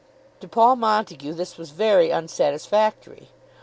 To Paul Montague this was very unsatisfactory.